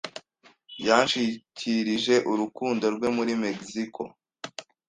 yanshikirije urukundo rwe Muri Mexico